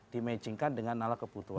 dimatchingkan dengan nalang kebutuhan